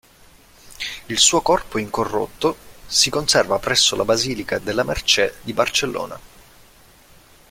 Il suo corpo incorrotto si conserva presso la basilica de la Mercè di Barcellona.